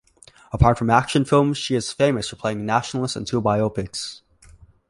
Apart from action films, she is famous for playing nationalists in two biopics.